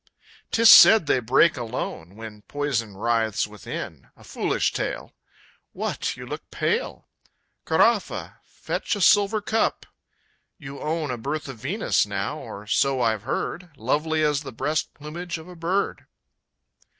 'Tis said they break alone When poison writhes within. A foolish tale! What, you look pale? Caraffa, fetch a silver cup!... You own A Birth of Venus, now or so I've heard, Lovely as the breast plumage of a bird.